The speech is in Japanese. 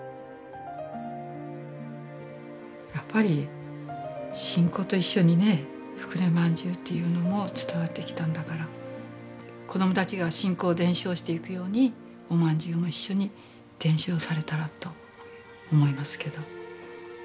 やっぱり信仰と一緒にねふくれ饅頭っていうのも伝わってきたんだから子供たちが信仰を伝承していくようにお饅頭も一緒に伝承されたらと思いますけど。